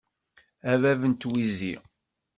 A bab n twizi.